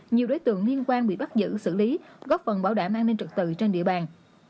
nhiều đối tượng liên quan bị bắt giữ xử lý góp phần bảo đảm an ninh trực tự trên địa bàn